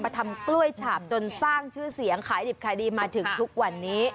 ทำกล้วยฉาบจนสร้างชื่อเสียงขายดิบขายดีมาถึงทุกวันนี้